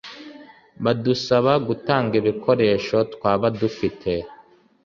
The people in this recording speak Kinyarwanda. badusaba gutanga ibikoresho twaba dufite